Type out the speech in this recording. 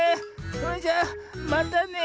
それじゃまたね。